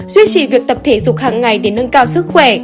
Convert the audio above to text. duy trì việc tập thể dục hàng ngày để nâng cao sức khỏe